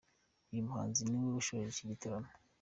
Uyu muhanzi niwe ushoje iki gitaramo.